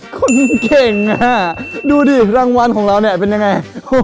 คนเก่งอ่ะดูดิรางวัลของเราเนี่ยเป็นยังไง